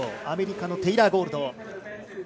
アメリカのテイラー・ゴールド。